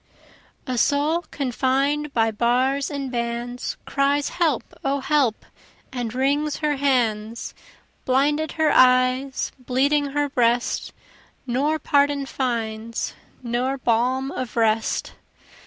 A soul confined by bars and bands, Cries, help! O help! and wrings her hands, Blinded her eyes, bleeding her breast, Nor pardon finds, nor balm of rest.